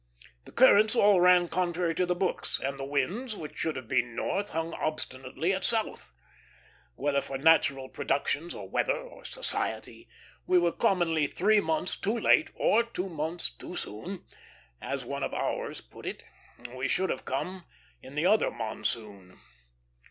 The currents all ran contrary to the books, and the winds which should have been north hung obstinately at south. Whether for natural productions, or weather, or society, we were commonly three months too late or two months too soon; or, as one of "ours" put it, we should have come in the other monsoon.